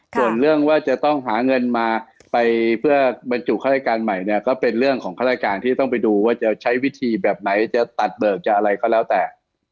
ส่วนเรื่องว่าจะต้องหาเงินมาไปเพื่อบรรจุข้าราชการใหม่เนี่ยก็เป็นเรื่องของข้าราชการที่ต้องไปดูว่าจะใช้วิธีแบบไหนจะตัดเบิกจะอะไรก็แล้วแต่